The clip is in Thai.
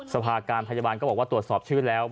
สภาการพยาบาลก็บอกว่าตรวจสอบชื่อแล้ว